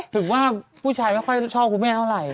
ถึงว่าผู้ชายไม่ค่อยชอบคุณแม่เท่าไหร่